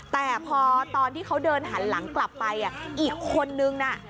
แต่พอตอนที่เขาเดินหันหลังกลับไปอีกคนนึงน่ะ